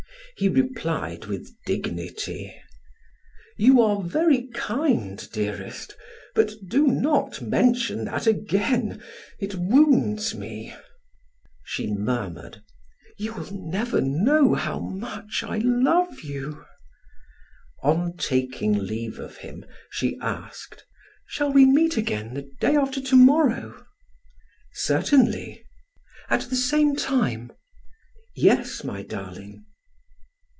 He replied with dignity: "You are very kind, dearest; but do not mention that again; it wounds me." She murmured: "You will never know how much I love you." On taking leave of him, she asked: "Shall we meet again the day after to morrow?" "Certainly." "At the same time?" "Yes, my darling."